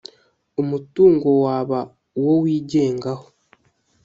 umutungo waba uwo wigengaho